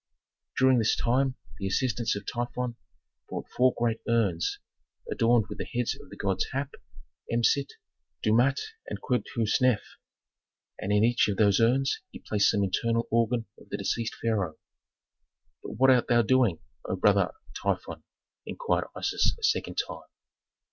During this time the assistants of Typhon brought four great urns adorned with the heads of the gods Hape, Emset, Duamut and Quebhsneuf, and in each of those urns he placed some internal organ of the deceased pharaoh. "But what art thou doing, O brother Typhon?" inquired Isis a second time.